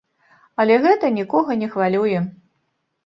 Але гэта нікога не хвалюе.